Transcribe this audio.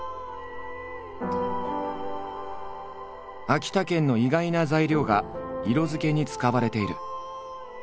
秋田県の意外な材料が色づけに使われている。